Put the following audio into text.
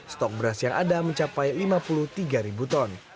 stok beras yang ada mencapai lima puluh tiga ribu ton